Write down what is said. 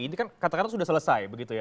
ini kan katakan sudah selesai begitu ya